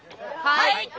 はい。